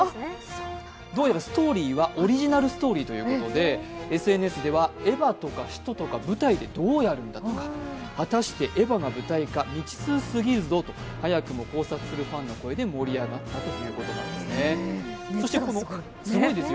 どうやらストーリーはオリジナルストーリーということでＳＮＳでは、エヴァとか使徒とか舞台ではどうやるのか、未知数すぎるぞと、早くも期待するファンの声で盛り上がったということです。